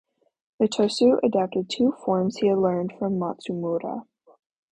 Itosu adapted two forms he had learned from Matsumura.